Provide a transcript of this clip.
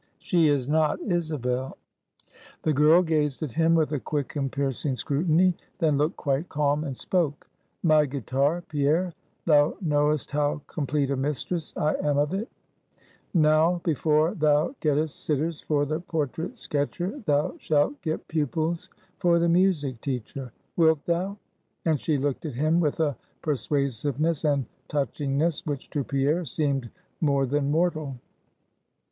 "She is not Isabel." The girl gazed at him with a quick and piercing scrutiny; then looked quite calm, and spoke. "My guitar, Pierre: thou know'st how complete a mistress I am of it; now, before thou gettest sitters for the portrait sketcher, thou shalt get pupils for the music teacher. Wilt thou?" and she looked at him with a persuasiveness and touchingness, which to Pierre, seemed more than mortal.